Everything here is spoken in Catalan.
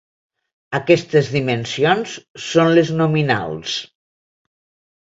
Aquestes dimensions són les nominals.